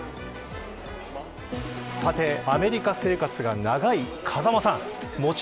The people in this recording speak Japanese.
さて、アメリカ生活が長い風間さん。